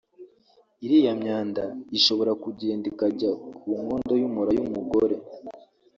iriya myanda ishobora kugenda ikajya ku nkondo y’umura y’umugore